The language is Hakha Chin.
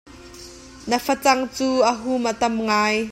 Na facang cu a hum a tam ngai.